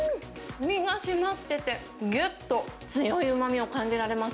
身が締まってて、ぎゅっと強いうまみを感じられます。